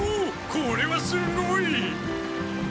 これはすごい！